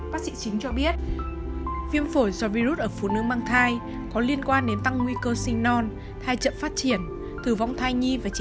bác sĩ chính cho biết viêm phổi do virus ở phụ nữ mang thai có liên quan đến tăng nguy cơ sinh lý